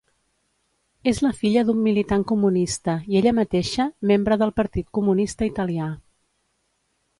És la filla d'un militant comunista i ella mateixa, membre del partit comunista italià.